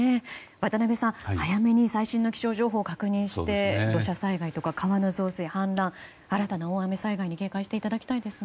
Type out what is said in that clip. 渡辺さん、早めに最新の気象情報を確認して土砂災害とか川の増水、氾濫新たな大雨災害に警戒していただきたいですね。